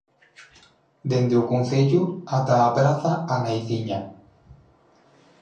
Dende o Concello ata a Praza A Naiciña.